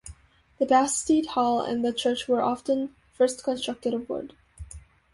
The bastide hall and the church were often first constructed of wood.